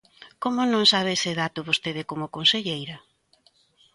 ¿Como non sabe ese dato vostede como conselleira?